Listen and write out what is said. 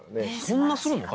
「そんなするの？